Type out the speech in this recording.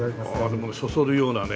でもそそるようなね。